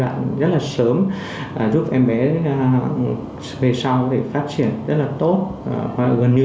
các bệnh lý về mặt di truyền lũ tiết truyền hóa sẽ có thể phát triển rất là tốt gần như là bình thường